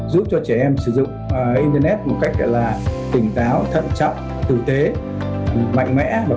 giúp cho trẻ em sử dụng internet một cách tỉnh táo thận trọng tử tế mạnh mẽ và can đảm